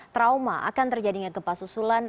trauma akan terjadinya gempa susulan